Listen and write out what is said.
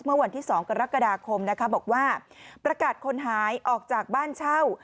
เมื่อวันที่๒กรกฎาคมนะคะบอกว่าประกาศคนหายออกจากบ้านเช่า